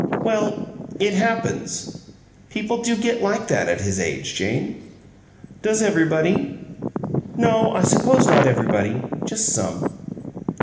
"Well it happens. People do get like that at his age, Jane." "Does everybody?" "No, I suppose not everybody. Just some."